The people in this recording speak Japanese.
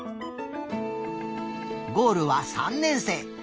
ゴールは「三年生」。